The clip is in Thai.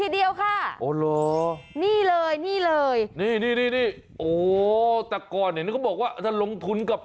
เอ้ยไม่เอาทั้งนั้น